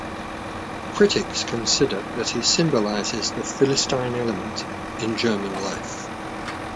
Critics consider that he symbolizes the Philistine element in German life